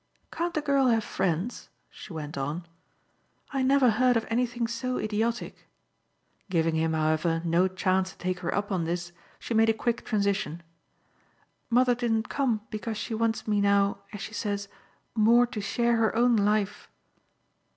"Can't a girl have friends?" she went on. "I never heard of anything so idiotic." Giving him, however, no chance to take her up on this, she made a quick transition. "Mother didn't come because she wants me now, as she says, more to share her own life."